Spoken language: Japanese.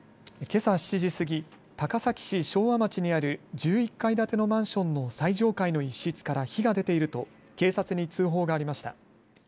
けさ７時過ぎ、高崎市昭和町にある１１階建てのマンションの最上階の１室から火が出ていると警察に通報がありました。